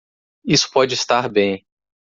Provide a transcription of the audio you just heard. Isso pode estar bem.